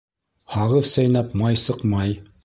Һағыҙ сәйнәп, май сыҡмай.